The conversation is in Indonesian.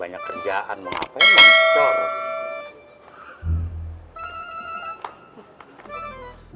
banyak kerjaan mau ngapain nggak bersorot